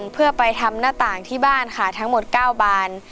เพื่อไปทำหน้าต่างที่บ้านค่ะทั้งหมด๙บาน